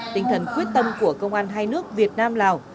tinh thần quyết tâm của công an hai nước việt nam lào